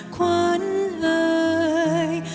ขวัญเลย